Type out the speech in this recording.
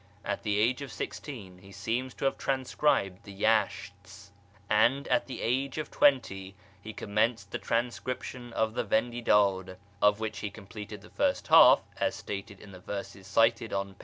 At the age of sixteen he seems to have transcribed the Yashts ; and at the age of twenty he commenced the transcription of the Vendidad, of which he completed the first half (as stated in the verses cited on pp.